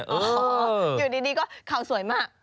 อยู่ดีก็เขาสวยมาก